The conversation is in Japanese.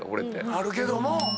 あるけども。